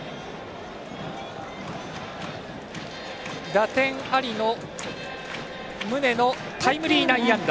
打点ありの宗のタイムリー内野安打。